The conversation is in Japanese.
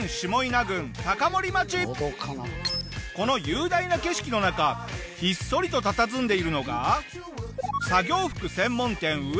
この雄大な景色の中ひっそりとたたずんでいるのが。